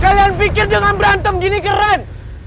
kalian pikir jangan berantem gini keren